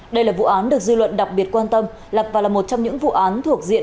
đây là vụ án được dư luận đặc biệt quan tâm lập và là một trong những vụ án thuộc diện